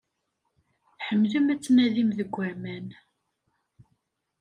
Tḥemmlem ad tnadim deg aman.